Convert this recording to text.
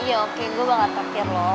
iya oke gue bakal terakhir lo